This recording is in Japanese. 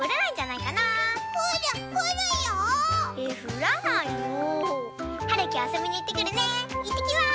いってきます！